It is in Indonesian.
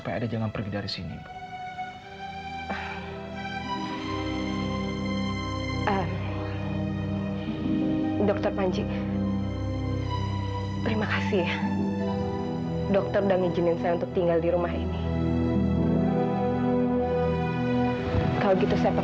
kalau begitu saya minta maaf